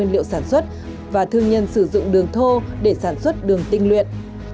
liệu sản xuất và thương nhân sử dụng đường thô để sản xuất đường tinh luyện